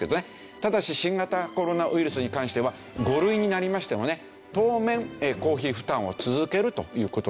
ただし新型コロナウイルスに関しては５類になりましてもね当面公費負担を続けるという事です。